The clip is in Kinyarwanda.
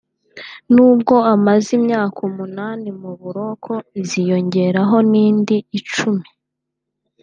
n’ubwo amaze imyaka umunani mu buroko iziyongeraho n’indi icumi